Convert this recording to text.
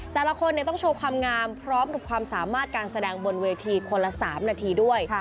แต่ละคนต้องโชว์ความงามพร้อมกับความสามารถการแสดงบนเวทีคนละ๓นาทีด้วย